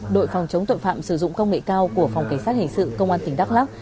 đội phòng chống tội phạm sử dụng công nghệ cao của phòng cảnh sát hình sự công an tỉnh đắk lắc